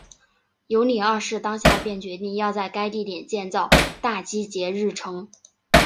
尤里二世当下便决定要在该地点建造大基捷日城。